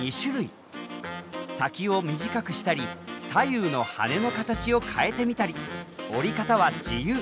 先を短くしたり左右の羽の形を変えてみたり折り方は自由。